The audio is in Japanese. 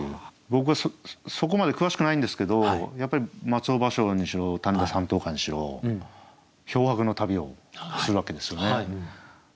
僕はそこまで詳しくないんですけどやっぱり松尾芭蕉にしろ種田山頭火にしろ漂泊の旅をするわけですよね。